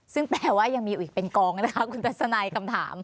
ซึ่งแปลว่ายังมีอีกเป็นกองนะคะคุณทัศนัยคำถาม